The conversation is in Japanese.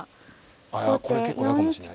ああいやこれ結構嫌かもしれない。